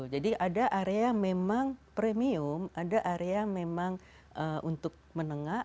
jadi ada area memang premium ada area memang untuk menengah